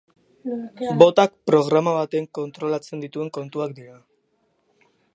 Botak programa batek kontrolatzen dituen kontuak dira.